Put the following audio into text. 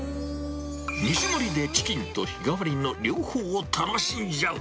２種盛りでチキンと日替わりの両方を楽しんじゃう。